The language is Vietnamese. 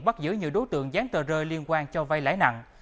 bác giữ nhiều đối tượng dán tờ rơi liên quan cho vai lãi nặng